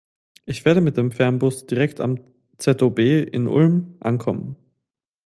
Ich werde mit dem Fernbus direkt am ZOB in Ulm ankommen.